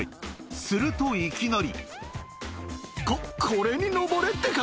するといきなり。